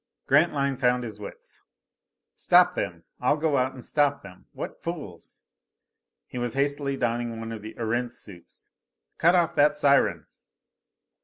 Grantline found his wits. "Stop them! I'll go out and stop them! What fools!" He was hastily donning one of the Erentz suits. "Cut off that siren!"